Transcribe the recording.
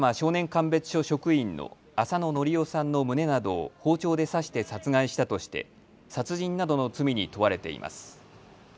鑑別所職員の浅野法代さんの胸などを包丁で刺して殺害したとして殺人などの罪に問われています。